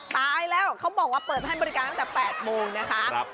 ตายแล้วเขาบอกว่าเปิดให้บริการตั้งแต่๘โมงนะคะ